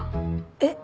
えっ？